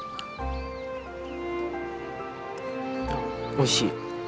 おいしい。